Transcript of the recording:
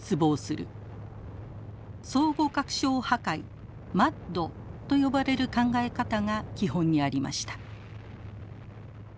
相互確証破壊＝ＭＡＤと呼ばれる考え方が基本にありました。